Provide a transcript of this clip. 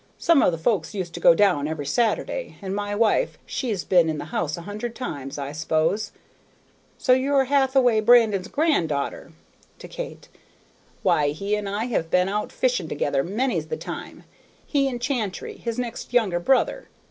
Some of the folks used to go down every Saturday, and my wife, she's been in the house a hundred times, I s'pose. So you are Hathaway Brandon's grand daughter?" (to Kate); "why, he and I have been out fishing together many's the time, he and Chantrey, his next younger brother.